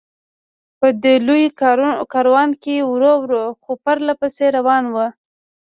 په دې لوی کاروان کې ورو ورو، خو پرله پسې روان و.